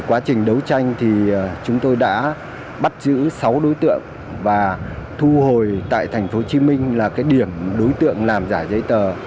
quá trình đấu tranh thì chúng tôi đã bắt giữ sáu đối tượng và thu hồi tại tp hcm là cái điểm đối tượng làm giả giấy tờ